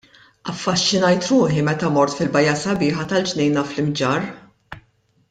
Affaxxinajt ruħi meta mort fil-bajja sabiħa tal-Ġnejna fl-Imġarr.